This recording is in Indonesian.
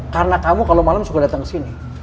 karena kamu kalo malem suka dateng kesini